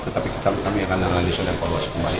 tetapi kami akan analisis dan keluas kembali